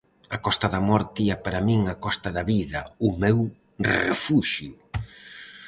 A Costa da Morte é para min a Costa da vida, o meu refuxio.